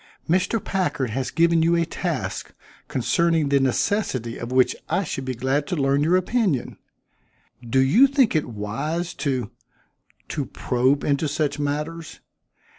"Mr. Packard has given you a task, concerning the necessity of which I should be glad to learn your opinion. Do you think it wise to to probe into such matters?